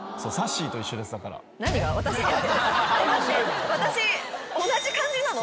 待って私同じ感じなの？